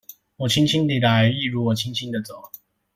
我輕輕地來一如我輕輕的走